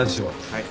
はい。